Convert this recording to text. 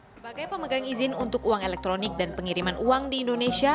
sebagai pemegang izin untuk uang elektronik dan pengiriman uang di indonesia